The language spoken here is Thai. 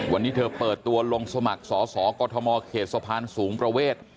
วันนี้เธอเปิดตัวลงสมัครสอสอกอทมเขตสะพานสูงประเวท